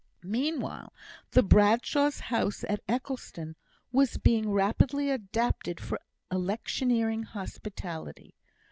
Meanwhile, the Bradshaws' house at Eccleston was being rapidly adapted for electioneering hospitality.